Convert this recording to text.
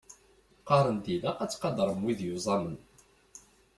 Qqaren-d ilaq ad tqadrem wid yuẓamen.